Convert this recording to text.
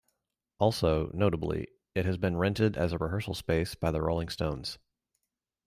Also, notably, it has been rented as a rehearsal space by the Rolling Stones.